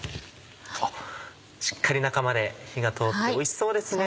しっかり中まで火が通っておいしそうですね。